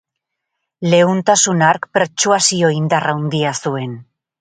Leuntasun hark pertsuasio indar handia zuen.